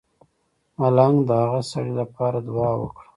ملنګ د هغه سړی لپاره دعا وکړه.